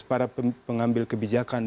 para pengambil kebijakan